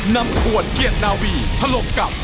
นำปวดเกียจนาวีทะลกกับ